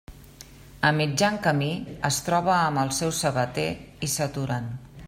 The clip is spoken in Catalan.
A mitjan camí, es troba amb el seu sabater, i s'aturen.